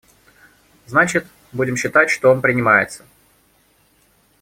Значит, будем считать, что он принимается.